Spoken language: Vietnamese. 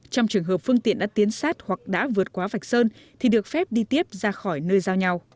trong trường hợp phương tiện đã tiến sát hoặc đã vượt quá vạch sơn thì được phép đi tiếp ra khỏi nơi giao nhau